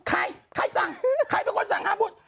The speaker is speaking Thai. ใครใครสั่งใครเป็นคนสั่งห้ามพูด